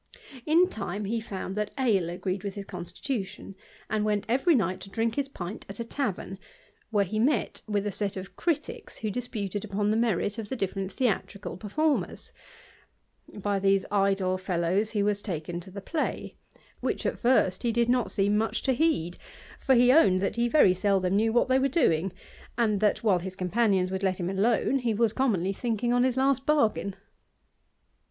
In time he found that ale agreed with his constituti and went every night to drink his pint at a tavern, where^ /, met with a set of critics, who disputed upon the merit: o\ the different theatrical performers. By these idle felLoi^ he was taken to the play, which at first he did not s^jejji much to heed; for he owned, that he very seldom Icneir what they were doing, and that, while his companioiis would let him alone, he was commonly thinking on his hslt bargain.